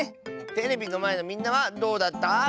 テレビのまえのみんなはどうだった？